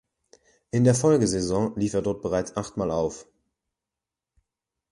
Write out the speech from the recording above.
In der Folgesaison lief er dort bereits achtmal auf.